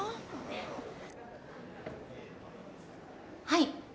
はい。